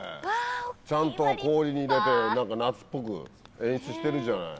ちゃんと氷に入れて夏っぽく演出してるじゃない。